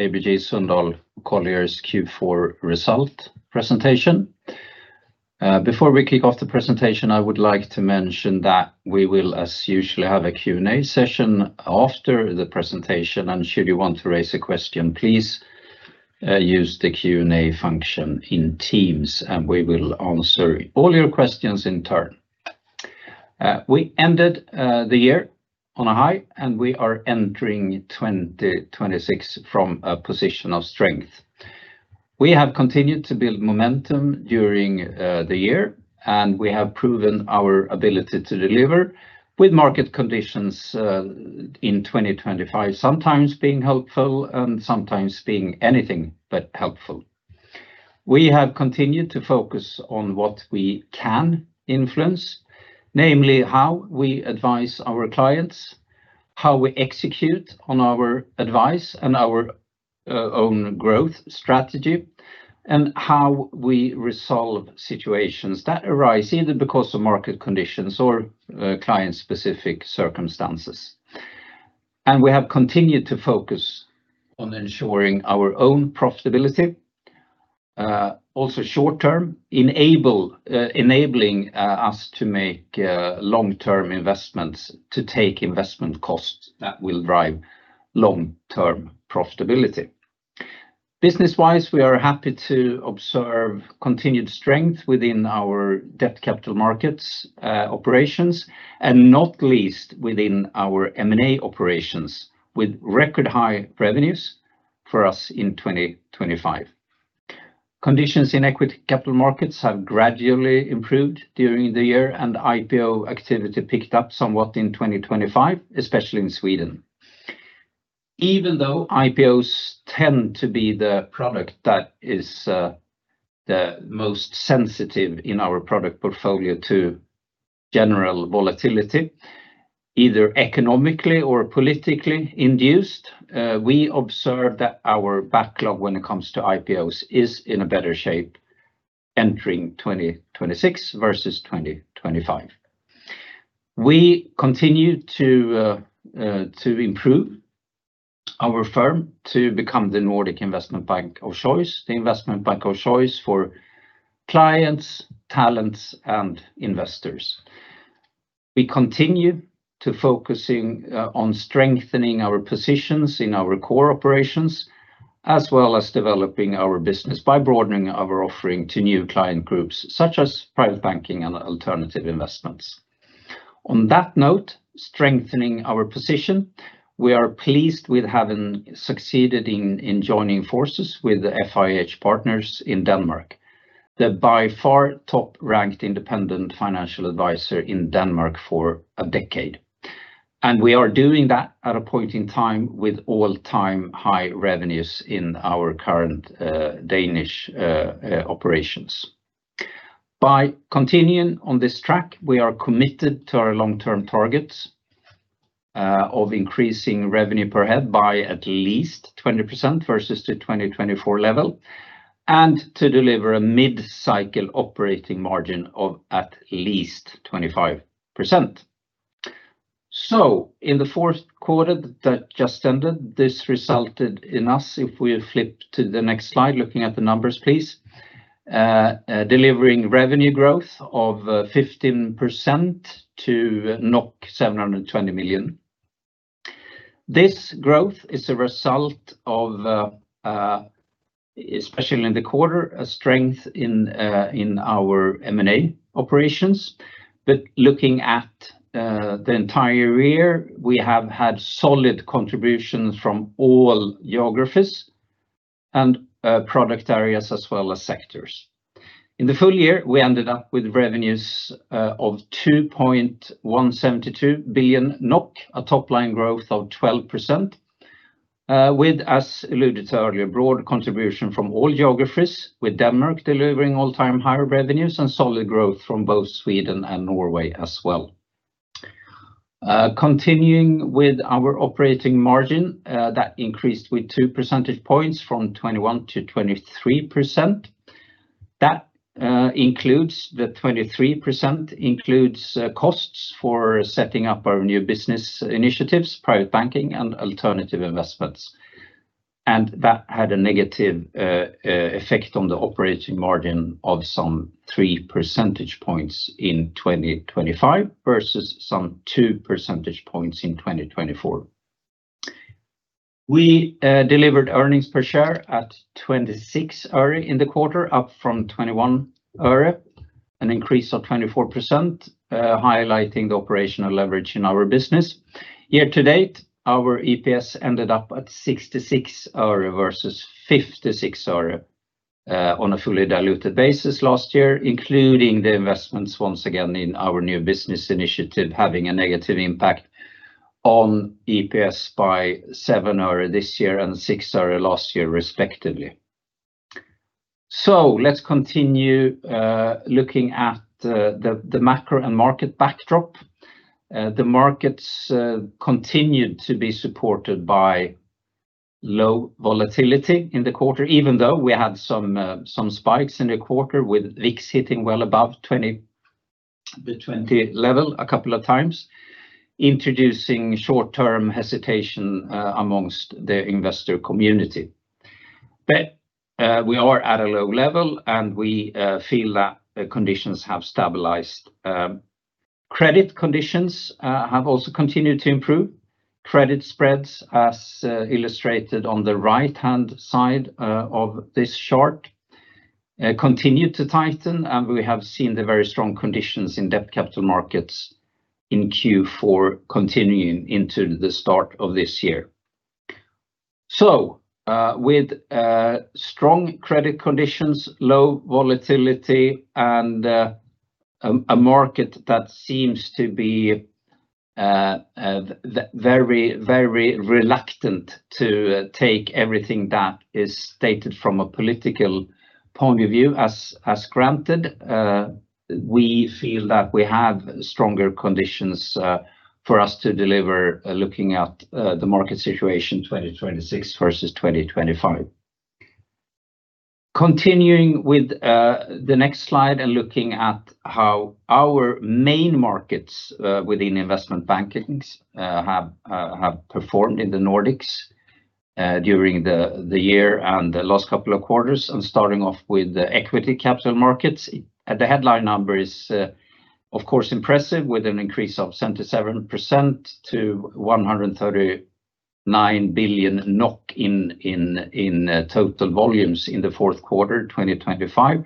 ABG Sundal Collier's Q4 result presentation. Before we kick off the presentation, I would like to mention that we will, as usual, have a Q&A session after the presentation, and should you want to raise a question, please use the Q&A function in Teams, and we will answer all your questions in turn. We ended the year on a high, and we are entering 2026 from a position of strength. We have continued to build momentum during the year, and we have proven our ability to deliver, with market conditions in 2025 sometimes being helpful and sometimes being anything but helpful. We have continued to focus on what we can influence, namely how we advise our clients, how we execute on our advice and our own growth strategy, and how we resolve situations that arise either because of market conditions or client-specific circumstances. We have continued to focus on ensuring our own profitability, also short-term, enabling us to make long-term investments, to take investment costs that will drive long-term profitability. Business-wise, we are happy to observe continued strength within our Debt Capital Markets operations, and not least within our M&A operations, with record high revenues for us in 2025. Conditions in equity capital markets have gradually improved during the year, and IPO activity picked up somewhat in 2025, especially in Sweden. Even though IPOs tend to be the product that is the most sensitive in our product portfolio to general volatility, either economically or politically induced, we observe that our backlog when it comes to IPOs is in a better shape entering 2026 versus 2025. We continue to improve our firm to become the Nordic Investment Bank of Choice, the investment bank of choice for clients, talents, and investors. We continue to focus on strengthening our positions in our core operations, as well as developing our business by broadening our offering to new client groups such as private banking and alternative investments. On that note, strengthening our position, we are pleased with having succeeded in joining forces with the FIH Partners in Denmark, the by far top-ranked independent financial advisor in Denmark for a decade. We are doing that at a point in time with all-time high revenues in our current Danish operations. By continuing on this track, we are committed to our long-term targets of increasing revenue per head by at least 20% versus the 2024 level, and to deliver a mid-cycle operating margin of at least 25%. So in the Q4 that just ended, this resulted in us, if we flip to the next slide, looking at the numbers, please, delivering revenue growth of 15% to 720 million. This growth is a result of, especially in the quarter, a strength in our M&A operations. But looking at the entire year, we have had solid contributions from all geographies and product areas as well as sectors. In the full year, we ended up with revenues of 2.172 billion NOK, a top-line growth of 12%, with, as alluded to earlier, broad contribution from all geographies, with Denmark delivering all-time higher revenues and solid growth from both Sweden and Norway as well. Continuing with our operating margin that increased with two percentage points from 21% to 23%, that includes the 23% includes costs for setting up our new business initiatives, Private Banking, and alternative investments. That had a negative effect on the operating margin of some three percentage points in 2025 versus some 2 percentage points in 2024. We delivered earnings per share at NOK 0.26 in the quarter, up from NOK 0.21, an increase of 24%, highlighting the operational leverage in our business. Year to date, our EPS ended up at 0.66 versus 0.56 on a fully diluted basis last year, including the investments once again in our new business initiative having a negative impact on EPS by NOK 0.07 this year and NOK 0.06 last year, respectively. Let's continue looking at the macro and market backdrop. The markets continued to be supported by low volatility in the quarter, even though we had some spikes in the quarter with VIX hitting well above the 20 level a couple of times, introducing short-term hesitation among the investor community. But we are at a low level, and we feel that conditions have stabilized. Credit conditions have also continued to improve. Credit spreads, as illustrated on the right-hand side of this chart, continue to tighten, and we have seen the very strong conditions in Debt Capital Markets in Q4 continuing into the start of this year. So with strong credit conditions, low volatility, and a market that seems to be very, very reluctant to take everything that is stated from a political point of view as granted, we feel that we have stronger conditions for us to deliver looking at the market situation 2026 versus 2025. Continuing with the next slide and looking at how our main markets within investment banking have performed in the Nordics during the year and the last couple of quarters, and starting off with equity capital markets, the headline number is, of course, impressive with an increase of 77% to 139 billion NOK in total volumes in the Q4, 2025.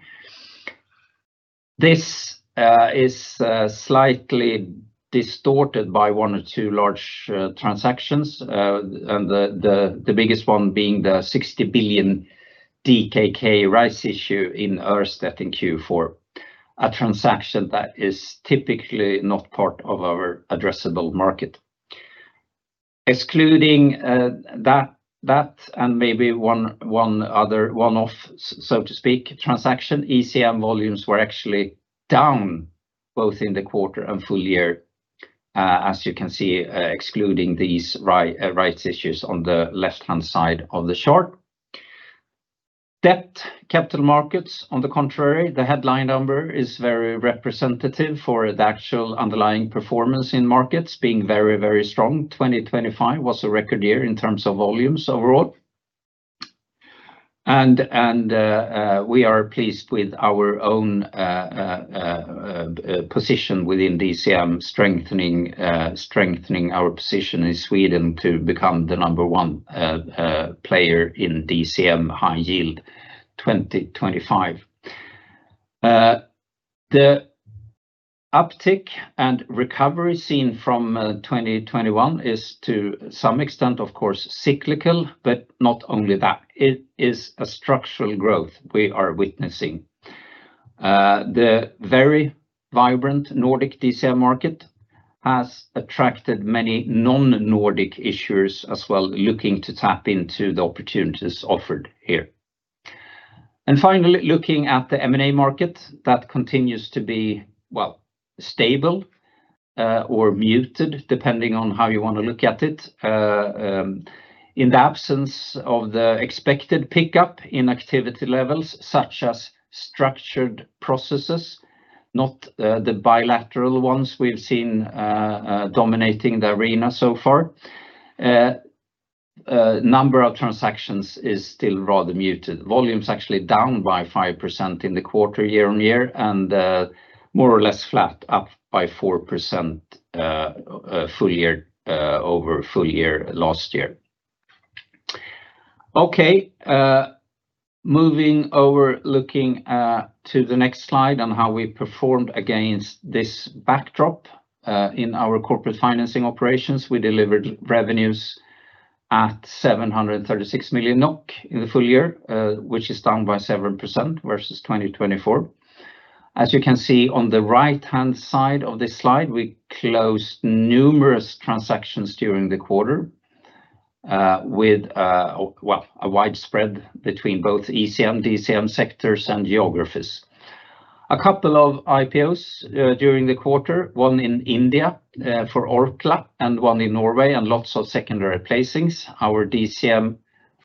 This is slightly distorted by one or two large transactions, and the biggest one being the 60 billion DKK rights issue in Ørsted in Q4, a transaction that is typically not part of our addressable market. Excluding that and maybe one-off, so to speak, transaction, ECM volumes were actually down both in the quarter and full year, as you can see, excluding these rights issues on the left-hand side of the chart. Debt Capital Markets, on the contrary, the headline number is very representative for the actual underlying performance in markets being very, very strong. 2025 was a record year in terms of volumes overall. We are pleased with our own position within DCM, strengthening our position in Sweden to become the number one player in DCM High Yield 2025. The uptick and recovery seen from 2021 is, to some extent, of course, cyclical, but not only that. It is a structural growth we are witnessing. The very vibrant Nordic DCM market has attracted many non-Nordic issuers as well, looking to tap into the opportunities offered here. Finally, looking at the M&A market, that continues to be, well, stable or muted, depending on how you want to look at it. In the absence of the expected pickup in activity levels such as structured processes, not the bilateral ones we've seen dominating the arena so far, a number of transactions is still rather muted. Volume's actually down by 5% in the quarter, year-on-year, and more or less flat, up by 4% over full year last year. Okay, moving over, looking to the next slide on how we performed against this backdrop in our corporate financing operations, we delivered revenues at 736 million NOK in the full year, which is down by 7% versus 2024. As you can see on the right-hand side of this slide, we closed numerous transactions during the quarter with a wide spread between both ECM, DCM sectors, and geographies. A couple of IPOs during the quarter, one in India for Orkla and one in Norway, and lots of secondary placings. Our DCM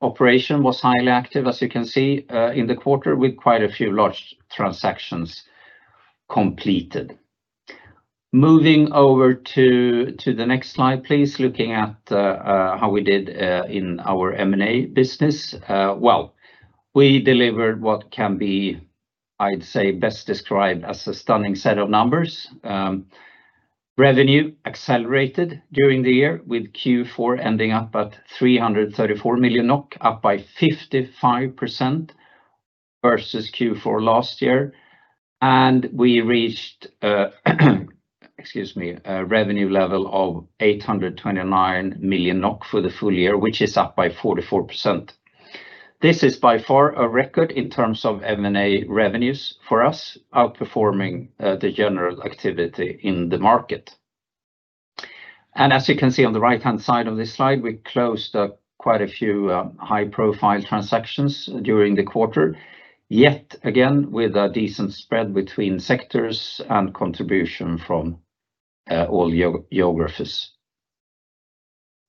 operation was highly active, as you can see, in the quarter with quite a few large transactions completed. Moving over to the next slide, please, looking at how we did in our M&A business. Well, we delivered what can be, I'd say, best described as a stunning set of numbers. Revenue accelerated during the year with Q4 ending up at 334 million NOK, up by 55% versus Q4 last year. And we reached, excuse me, a revenue level of 829 million NOK for the full year, which is up by 44%. This is by far a record in terms of M&A revenues for us, outperforming the general activity in the market. And as you can see on the right-hand side of this slide, we closed quite a few high-profile transactions during the quarter, yet again with a decent spread between sectors and contribution from all geographies.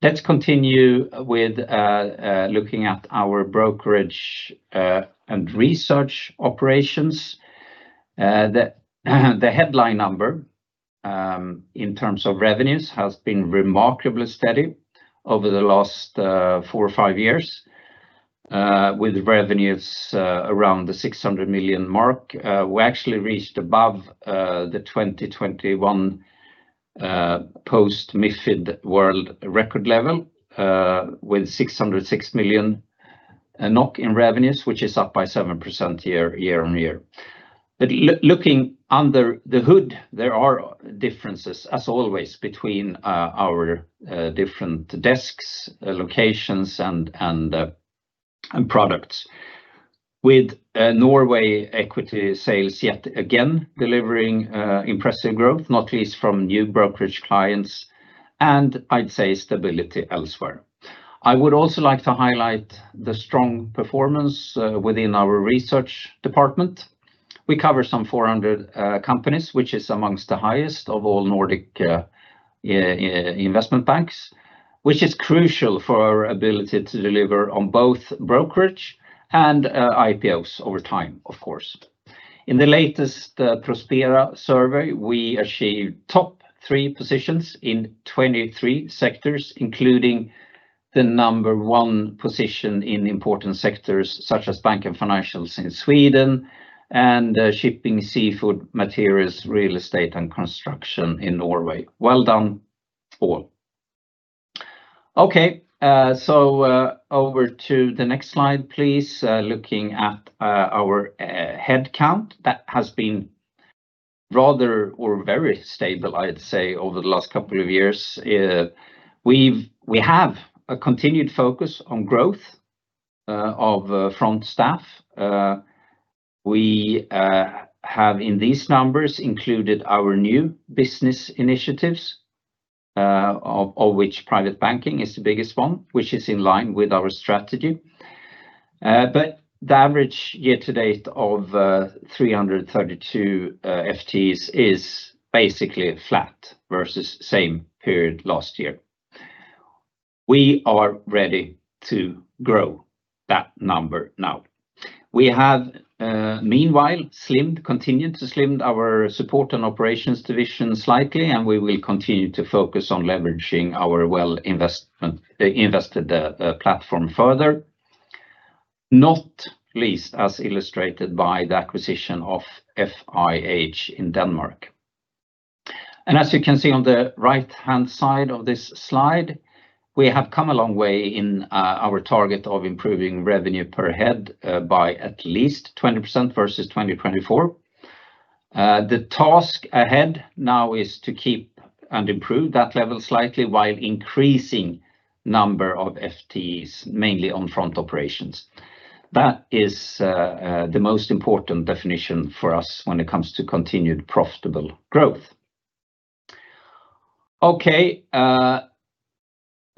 Let's continue with looking at our brokerage and research operations. The headline number in terms of revenues has been remarkably steady over the last four or five years, with revenues around the 600 million mark. We actually reached above the 2021 post-MiFID world record level with 606 million NOK in revenues, which is up by 7% year-over-year. Looking under the hood, there are differences, as always, between our different desks, locations, and products, with Norway equity sales yet again delivering impressive growth, not least from new brokerage clients, and I'd say stability elsewhere. I would also like to highlight the strong performance within our research department. We cover some 400 companies, which is among the highest of all Nordic investment banks, which is crucial for our ability to deliver on both brokerage and IPOs over time, of course. In the latest Prospera survey, we achieved top three positions in 23 sectors, including the number one position in important sectors such as bank and financials in Sweden and shipping, seafood, materials, real estate, and construction in Norway. Well done, all. Okay, so over to the next slide, please, looking at our headcount that has been rather or very stable, I'd say, over the last couple of years. We have a continued focus on growth of front staff. We have, in these numbers, included our new business initiatives, of which Private Banking is the biggest one, which is in line with our strategy. But the average year to date of 332 FTEs is basically flat versus the same period last year. We are ready to grow that number now. We have, meanwhile, continued to slim our support and operations division slightly, and we will continue to focus on leveraging our well-invested platform further, not least as illustrated by the acquisition of FIH in Denmark. And as you can see on the right-hand side of this slide, we have come a long way in our target of improving revenue per head by at least 20% versus 2024. The task ahead now is to keep and improve that level slightly while increasing the number of FTEs, mainly on front operations. That is the most important definition for us when it comes to continued profitable growth. Okay,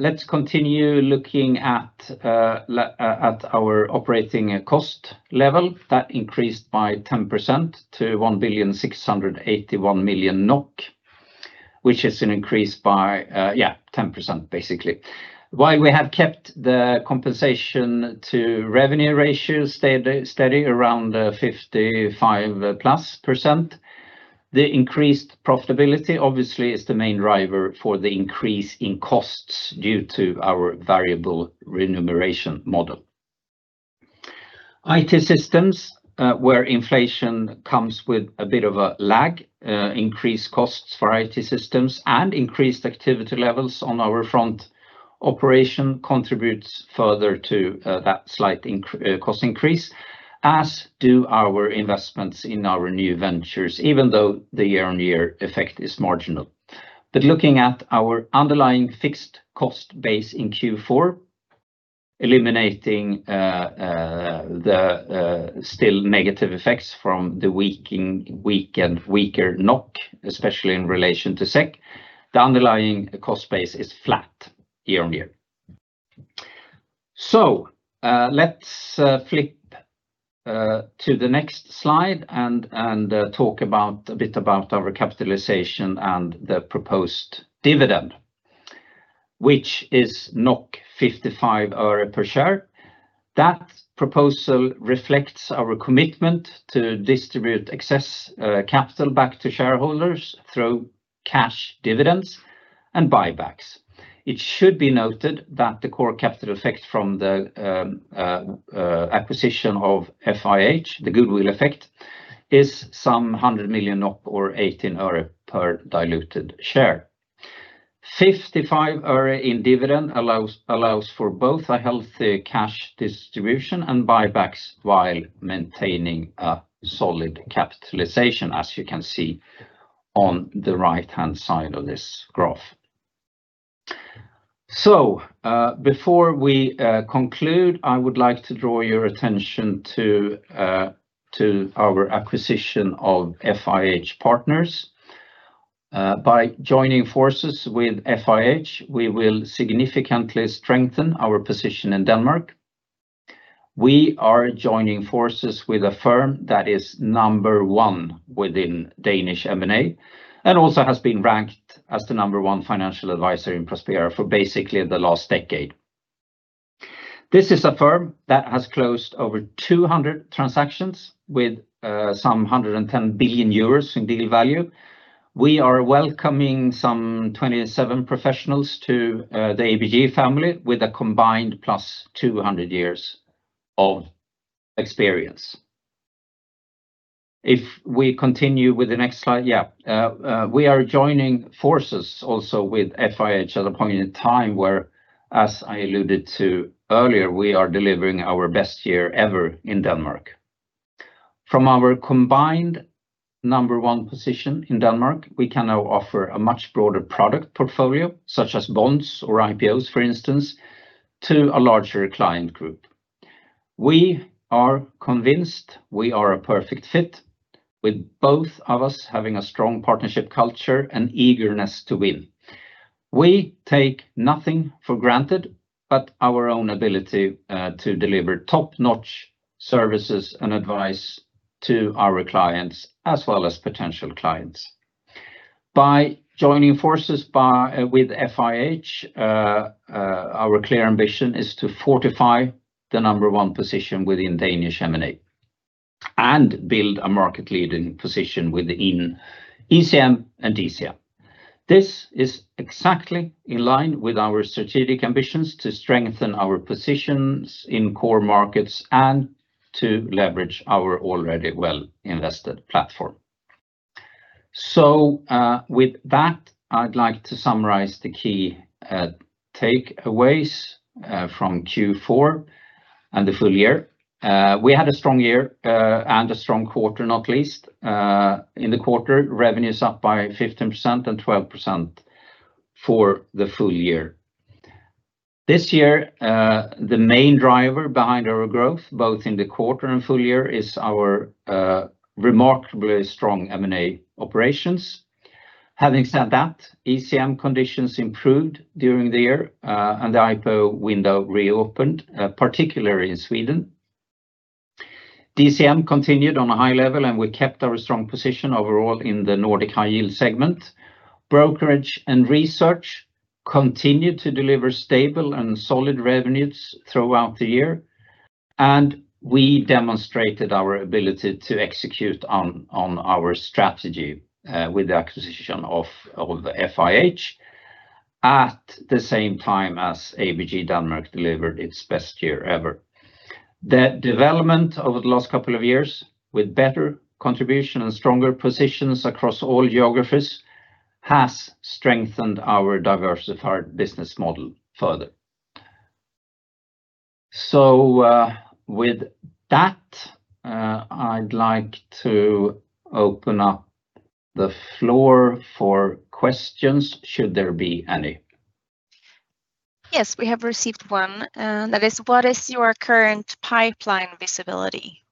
let's continue looking at our operating cost level that increased by 10% to 1,681,000,000 NOK, which is an increase by, yeah, 10%, basically. While we have kept the compensation-to-revenue ratio steady around 55%+, the increased profitability, obviously, is the main driver for the increase in costs due to our variable remuneration model. IT systems, where inflation comes with a bit of a lag, increased costs for IT systems, and increased activity levels on our front operation contribute further to that slight cost increase, as do our investments in our new ventures, even though the year-on-year effect is marginal. But looking at our underlying fixed cost base in Q4, eliminating the still negative effects from the weaker NOK, especially in relation to SEK, the underlying cost base is flat year-on-year. Let's flip to the next slide and talk a bit about our capitalization and the proposed dividend, which is NOK 0.55 per share. That proposal reflects our commitment to distribute excess capital back to shareholders through cash dividends and buybacks. It should be noted that the core capital effect from the acquisition of FIH Partners, the goodwill effect, is 100 million or 18 øre per diluted share. 55 øre in dividend allows for both a healthy cash distribution and buybacks while maintaining a solid capitalization, as you can see on the right-hand side of this graph. So before we conclude, I would like to draw your attention to our acquisition of FIH Partners. By joining forces with FIH Partners, we will significantly strengthen our position in Denmark. We are joining forces with a firm that is number one within Danish M&A and also has been ranked as the number one financial advisor in Prospera for basically the last decade. This is a firm that has closed over 200 transactions with some 110 billion euros in deal value. We are welcoming 27 professionals to the ABG family with a combined +200 years of experience. If we continue with the next slide, yeah, we are joining forces also with FIH at a point in time where, as I alluded to earlier, we are delivering our best year ever in Denmark. From our combined number one position in Denmark, we can now offer a much broader product portfolio, such as bonds or IPOs, for instance, to a larger client group. We are convinced we are a perfect fit, with both of us having a strong partnership culture and eagerness to win. We take nothing for granted but our own ability to deliver top-notch services and advice to our clients, as well as potential clients. By joining forces with FIH, our clear ambition is to fortify the number one position within Danish M&A and build a market-leading position within ECM and DCM. This is exactly in line with our strategic ambitions to strengthen our positions in core markets and to leverage our already well-invested platform. So with that, I'd like to summarize the key takeaways from Q4 and the full year. We had a strong year and a strong quarter, not least. In the quarter, revenue's up by 15% and 12% for the full year. This year, the main driver behind our growth, both in the quarter and full year, is our remarkably strong M&A operations. Having said that, ECM conditions improved during the year, and the IPO window reopened, particularly in Sweden. DCM continued on a high level, and we kept our strong position overall in the Nordic high-yield segment. Brokerage and Research continued to deliver stable and solid revenues throughout the year, and we demonstrated our ability to execute on our strategy with the acquisition of FIH at the same time as ABG Denmark delivered its best year ever. The development over the last couple of years, with better contribution and stronger positions across all geographies, has strengthened our diversified business model further. With that, I'd like to open up the floor for questions, should there be any. Yes, we have received one. That is, what is your current pipeline visibility?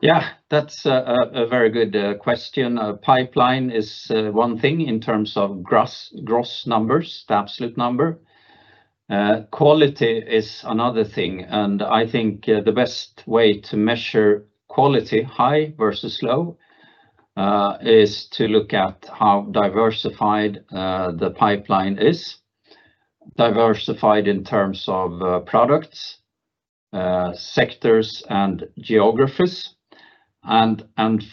Yeah, that's a very good question. A pipeline is one thing in terms of gross numbers, the absolute number. Quality is another thing. And I think the best way to measure quality, high versus low, is to look at how diversified the pipeline is, diversified in terms of products, sectors, and geographies. And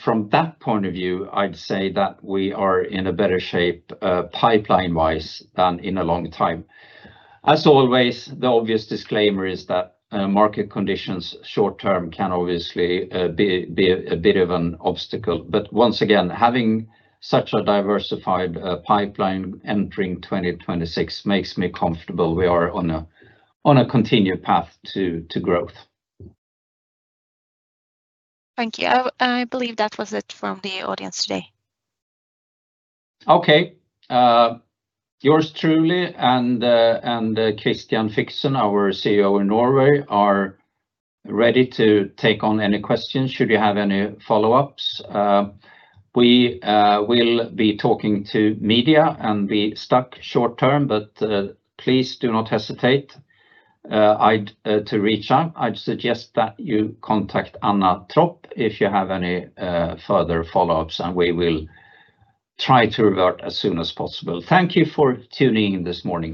from that point of view, I'd say that we are in a better shape pipeline-wise than in a long time. As always, the obvious disclaimer is that market conditions short-term can obviously be a bit of an obstacle. But once again, having such a diversified pipeline entering 2026 makes me comfortable. We are on a continued path to growth. Thank you. I believe that was it from the audience today. Okay, yours truly. And Kristian B. Fyksen, our CEO in Norway, are ready to take on any questions, should you have any follow-ups. We will be talking to media and be busy short-term, but please do not hesitate to reach out. I'd suggest that you contact Anna Tropp if you have any further follow-ups, and we will try to revert as soon as possible. Thank you for tuning in this morning.